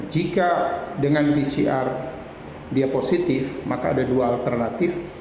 jika dengan pcr dia positif maka ada dua alternatif